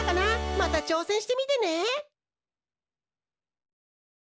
またちょうせんしてみてね！